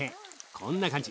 こんな感じ。